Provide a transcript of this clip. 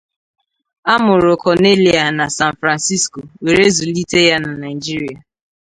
A mụrụ Cornelia na San Francisco, were zụlite na Naijiria.